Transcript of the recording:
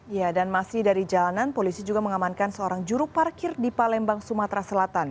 ya dan masih dari jalanan polisi juga mengamankan seorang juru parkir di palembang sumatera selatan